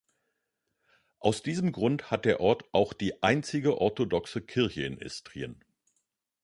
Aus diesem Grund hat der Ort auch die einzige orthodoxe Kirche in Istrien.